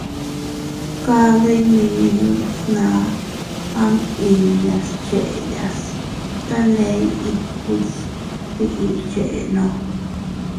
Kade nmiñu fnaʼa am inñas scheyas taney ikus tiʼi chenno.